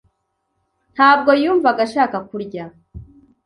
ntabwo yumvaga ashaka kurya.